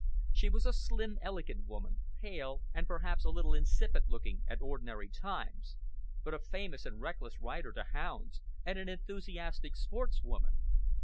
She was a slim, elegant woman, pale and perhaps a little insipid looking at ordinary times, but a famous and reckless rider to hounds, and an enthusiastic sportswoman.